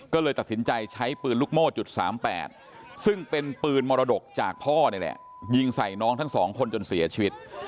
ก็เลยตัดสินใจใช้ปืนลูกโม่จุด๓๘ซึ่งเป็นปืนมรดกจากพ่อนี่แหละยิงใส่น้องทั้งสองคนจนเสียชีวิต